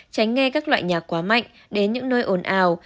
tránh nghe các loại nhạc quá mạnh đến những nơi ồn ào